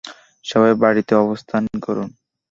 সবাই বাড়িতে অবস্থান করুন।